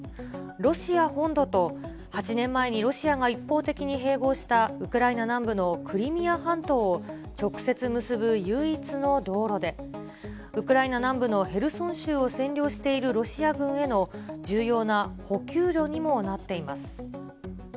ロシア本土と８年前にロシアが一方的に併合したウクライナ南部のクリミア半島を直接結ぶ唯一の道路で、ウクライナ南部のヘルソン州を占領しているロシア軍への重要な補給路にもなっています。